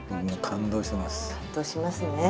感動しますね